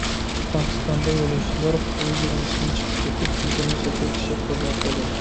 پاكىستاندا يولۇچىلار پويىزى رېلىستىن چىقىپ كېتىپ، يىگىرمە سەككىز كىشى قازا قىلدى.